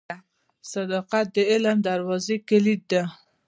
• صداقت د علم د دروازې کلید دی.